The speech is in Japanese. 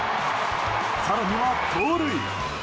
更には盗塁。